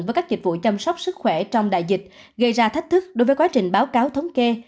với các dịch vụ chăm sóc sức khỏe trong đại dịch gây ra thách thức đối với quá trình báo cáo thống kê